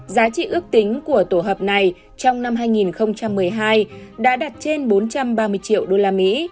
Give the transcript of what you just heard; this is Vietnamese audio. giá trị ước tính của tổ hợp này trong năm hai nghìn một mươi hai đã đạt trên bốn trăm ba mươi triệu usd